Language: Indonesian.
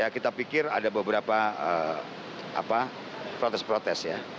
kita pikir ada beberapa protes protes ya